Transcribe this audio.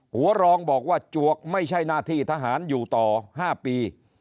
รองบอกว่าจวกไม่ใช่หน้าที่ทหารอยู่ต่อ๕ปี